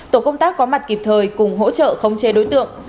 tổ công tác có mặt kịp thời cùng hỗ trợ không chê đối tượng